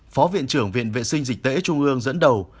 phó viện trưởng viện vệ sinh dịch tễ trung ương dẫn đầu